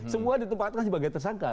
semua ditempatkan sebagai tersangka